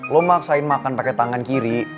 lo maksain makan pakai tangan kiri